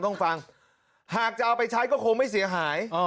หากจะเอาไปใช้ก็คงไม่เสียหาย